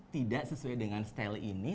tidak sesuai dengan style ini